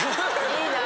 いいなぁ。